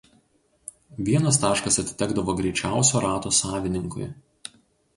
Vienas taškas atitekdavo greičiausio rato savininkui.